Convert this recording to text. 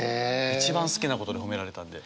一番好きなことで褒められたんで。